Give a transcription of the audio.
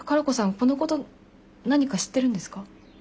このこと何か知ってるんですか？